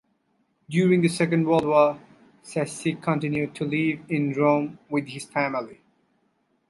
During the Second World War Cecchi continued to live in Rome with his family.